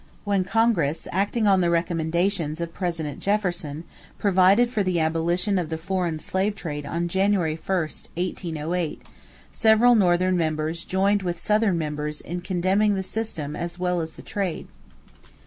When Congress, acting on the recommendations of President Jefferson, provided for the abolition of the foreign slave trade on January 1, 1808, several Northern members joined with Southern members in condemning the system as well as the trade.